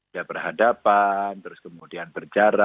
biar berhadapan terus kemudian berjalan